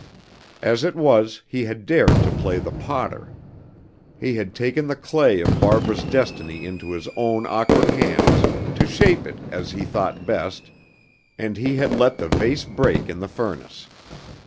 As it was, he had dared to play the potter. He had taken the clay of Barbara's destiny into his own awkward hands, to shape it as he thought best, and he had let the vase break in the furnace.